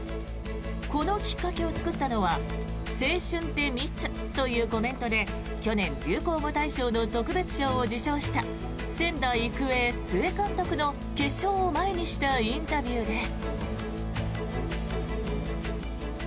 このきっかけを作ったのは「青春って密」というコメントで去年流行語大賞の特別賞を受賞した仙台育英、須江監督の決勝を前にしたインタビューです。